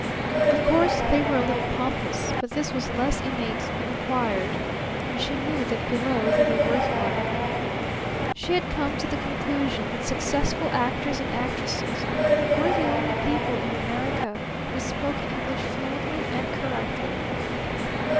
Of course they were a little pompous, but this was less innate than acquired; and she knew that below they were worth while. She had come to the conclusion that successful actors and actresses were the only people in America who spoke English fluently and correctly.